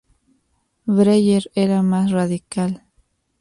Breyer era más radical.